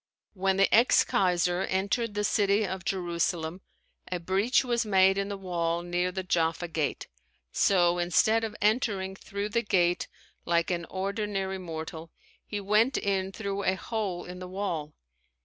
When the ex kaiser entered the city of Jerusalem, a breach was made in the wall near the Jaffa Gate, so instead of entering through the gate like an ordinary mortal, he went in through a hole in the wall.